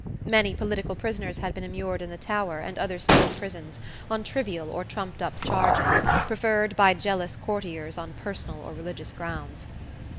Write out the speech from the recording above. Many political prisoners had been immured in the Tower and other state prisons on trivial or trumped up charges, preferred by jealous courtiers on personal or religious grounds.